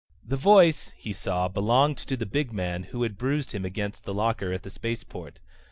The voice, he saw, belonged to the big man who had bruised him against the locker at the spaceport.